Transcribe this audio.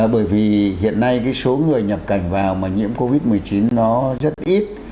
bởi vì hiện nay cái số người nhập cảnh vào mà nhiễm covid một mươi chín nó rất ít